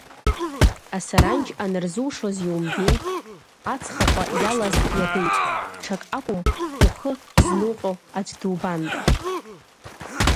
Асаранџь анырзушоз иумбеит, ацхаҟәа иалаз иагеит, ҽак акәым, ухы знуҟьо аӡәы дубанда…